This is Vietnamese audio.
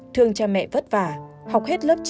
thương cha mẹ vất vả học hết lớp chín